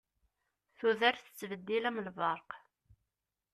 Tudert tettbeddil am lberq.